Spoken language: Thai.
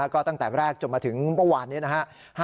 ก็ตั้งแต่แรกจนมาถึงเมื่อวานนี้นะฮะ